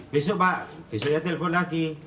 besok pak besoknya telpon lagi